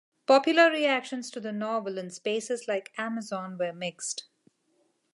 Popular reactions to the novel in spaces like Amazon were mixed.